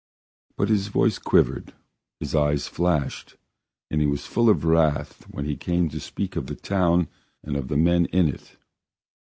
But his voice quivered, his eyes flashed, and he was full of wrath when he came to speak of the town and of the men in it.